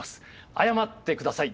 謝ってください。